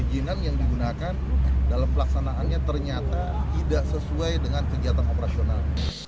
izinan yang digunakan dalam pelaksanaannya ternyata tidak sesuai dengan kegiatan operasional